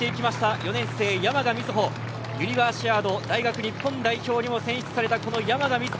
４年生、山賀瑞穂ユニバーシアード大学日本代表にも選出された山賀瑞穂。